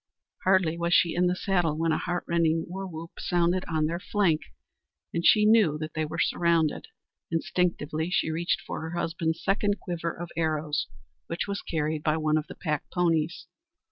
Hardly was she in the saddle when a heartrending war whoop sounded on their flank, and she knew that they were surrounded! Instinctively she reached for her husband's second quiver of arrows, which was carried by one of the pack ponies.